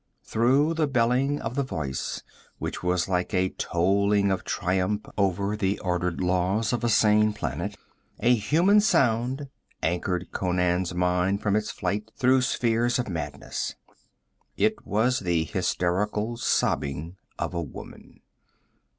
Through the belling of the voice which was like a tolling of triumph over the ordered laws of a sane planet, a human sound anchored Conan's mind from its flight through spheres of madness. It was the hysterical sobbing of a woman.